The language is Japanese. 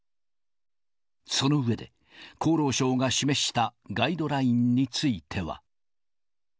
その上で、厚労省が示したガイドラインについては。